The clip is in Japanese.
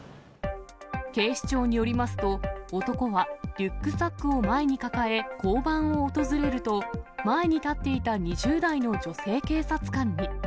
警視庁によりますと、男はリュックサックを前に抱え交番を訪れると、前に立っていた２０代の女性警察官に。